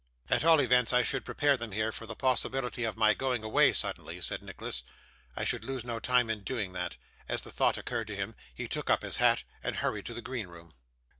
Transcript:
'At all events I should prepare them here for the possibility of my going away suddenly,' said Nicholas; 'I should lose no time in doing that.' As the thought occurred to him, he took up his hat and hurried to the green room.